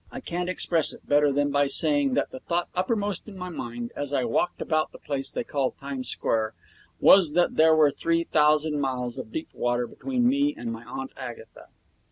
I can't express it better than by saying that the thought uppermost in my mind, as I walked about the place they call Times Square, was that there were three thousand miles of deep water between me and my Aunt Agatha.